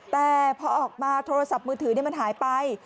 แต่พอออกมาโทรศัพท์มือถือมันหายไป